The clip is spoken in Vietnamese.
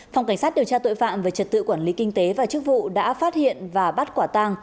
phòng cảnh sát điều tra tội phạm về trật tự quản lý kinh tế và chức vụ đã phát hiện và bắt quả tang